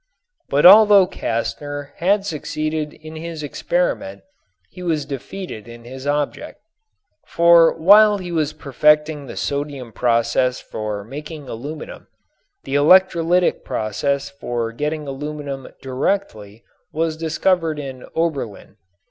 But although Castner had succeeded in his experiment he was defeated in his object. For while he was perfecting the sodium process for making aluminum the electrolytic process for getting aluminum directly was discovered in Oberlin.